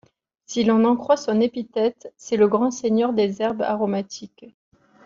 Si l'on en croit son épithète, c'est le grand seigneur des herbes aromatiques.